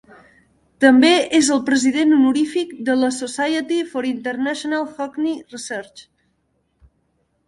També és el president honorífic de la Society for International Hockey Research.